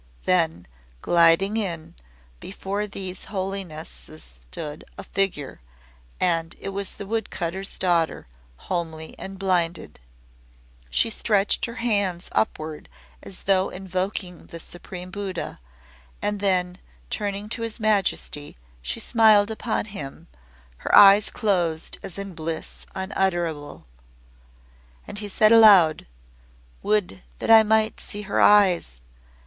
Then, gliding in, before these Holinesses stood a figure, and it was the wood cutter's daughter homely and blinded. She stretched her hands upward as though invoking the supreme Buddha, and then turning to His Majesty she smiled upon him, her eyes closed as in bliss unutterable. And he said aloud. "Would that I might see her eyes!"